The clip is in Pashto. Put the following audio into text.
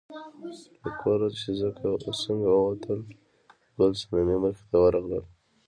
له کوره چې څنګه ووتل، ګل صنمې مخې ته ورغله.